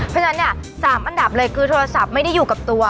เพราะฉะนั้นเนี่ย๓อันดับเลยคือโทรศัพท์ไม่ได้อยู่กับตัว